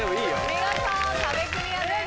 見事壁クリアです。